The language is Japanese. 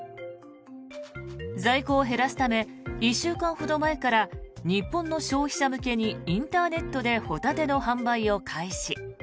在庫を減らすため１週間ほど前から日本の消費者向けにインターネットでホタテの販売を開始。